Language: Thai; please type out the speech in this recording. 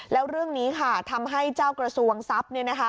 แล้วเรื่องนี้ค่ะทำให้เจ้ากระทรวงทรัพย์